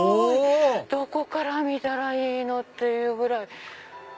どこから見たらいいの？っていうぐらい。